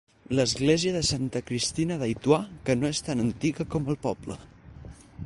L'església de Santa Cristina d'Aituà, que no és tan antiga com el poble.